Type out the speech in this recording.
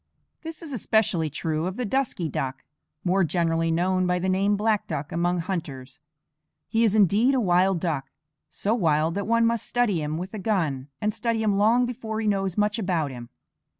This is especially true of the dusky duck, more generally known by the name black duck among hunters. He is indeed a wild duck, so wild that one must study him with a gun, and study him long before he knows much about him.